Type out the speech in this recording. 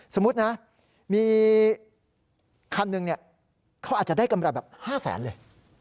สมมุตินะมีคันหนึ่งเขาอาจจะได้กำไรแบบ๕แสนเลย